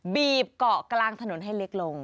บีบเกาะกลางถนนให้เล็กลง